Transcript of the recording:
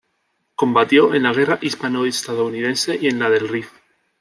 Combatió en la Guerra hispano-estadounidense y en la del Rif.